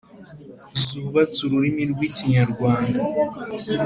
zubatse ururimi rw’Ikinyarwanda.